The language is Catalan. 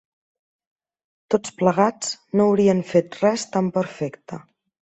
Tots plegats, no haurien fet res tan perfecte